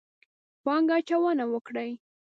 پانګه اچونه وکړي.